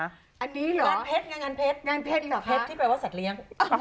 อันนี้เหรองานเพชรที่แปลว่าสัตว์เลี้ยง